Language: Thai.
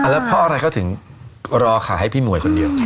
แล้วเพราะอะไรเขาถึงรอขายให้พี่หมวยคนเดียว